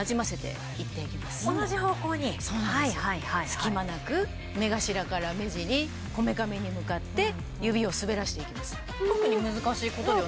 隙間なく目頭から目尻こめかみに向かって指を滑らしていきます。